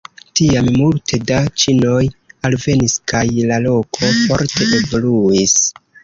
Tiam multe da ĉinoj alvenis kaj la loko forte evoluis.